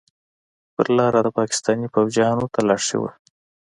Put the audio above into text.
پر لاره د پاکستاني فوجيانو تلاشي وه.